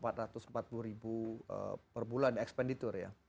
rp empat ratus empat puluh ribu per bulan expenditure ya